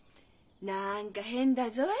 何か変だぞい？